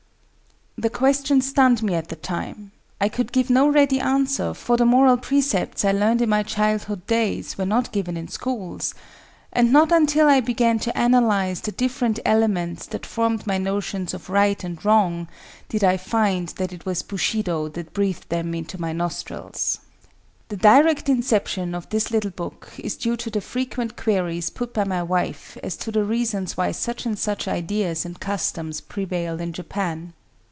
The question stunned me at the time. I could give no ready answer, for the moral precepts I learned in my childhood days, were not given in schools; and not until I began to analyze the different elements that formed my notions of right and wrong, did I find that it was Bushido that breathed them into my nostrils. The direct inception of this little book is due to the frequent queries put by my wife as to the reasons why such and such ideas and customs prevail in Japan.